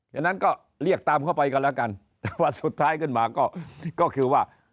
อย่างนั้นก็เรียกตามเข้าไปกันแล้วกันแต่ว่าสุดท้ายขึ้นมาก็คือว่า